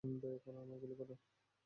দয়া করে আমায় গুলি করো!